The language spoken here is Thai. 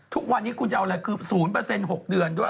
ทุกวันนี้คุณจะเอาอะไรคือ๐๖เดือนด้วย